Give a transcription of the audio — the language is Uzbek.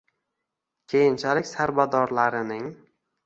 Keyinchalik sarbadorlarining